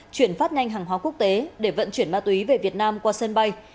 chuyển phát nhanh hàng hóa quốc tế để vận chuyển ma túy về việt nam qua sân bay